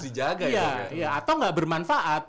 dijaga gitu atau gak bermanfaat